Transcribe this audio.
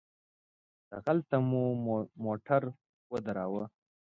دغلته مو موټر ودراوه.